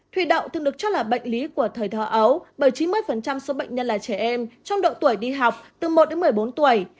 huy động thường được cho là bệnh lý của thời thơ ấu bởi chín mươi số bệnh nhân là trẻ em trong độ tuổi đi học từ một đến một mươi bốn tuổi